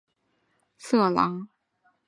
这被认为是在纵容色狼。